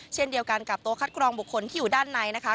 เช่นเดียวกันกับตัวคัดกรองบุคคลที่อยู่ด้านในนะคะ